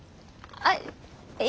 はい。